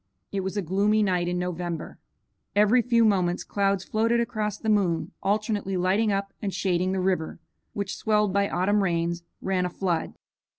It was a gloomy night in November. Every few moments clouds floated across the moon, alternately lighting up and shading the river, which, swelled by autumn rains, ran a flood.